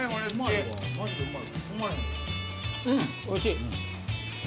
うんおいしい。